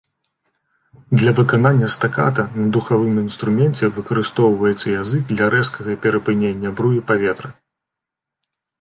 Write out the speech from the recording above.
Для выканання стаката на духавым інструменце выкарыстоўваецца язык для рэзкага перапынення бруі паветра.